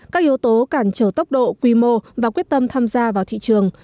các yếu tố cản trở tốc độ quy mô và quyết tâm tham gia vào thị trường